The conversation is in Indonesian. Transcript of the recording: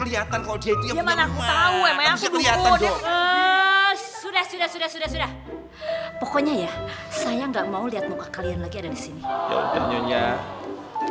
ya tapi kan keliatan kalo dia itu yang punya rumah